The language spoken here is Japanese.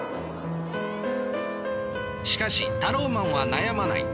しかしタローマンは悩まない。